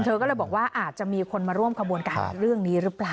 เธอก็เลยบอกว่าอาจจะมีคนมาร่วมขบวนการเรื่องนี้หรือเปล่า